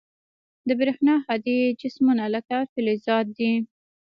د برېښنا هادي جسمونه لکه فلزات دي.